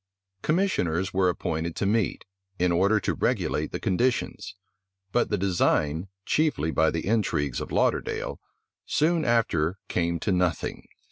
Commissioners were appointed to meet, in order to regulate the conditions: but the design, chiefly by the intrigues of Lauderdale, soon after came to nothing.